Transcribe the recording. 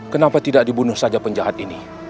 kenapa tidak dibunuh saja penjahat ini